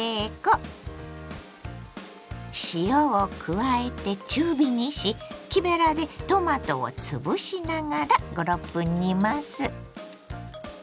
加えて中火にし木べらでトマトをつぶしながら５６分煮ます。